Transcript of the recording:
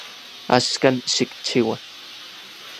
Axkan xikchiua